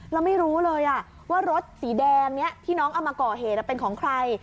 แล้วไม่รู้เลยว่ารถสีแดงนี้ที่น้องเอามาก่อเหตุเป็นของใคร